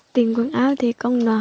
tìm quần áo thì không ngờ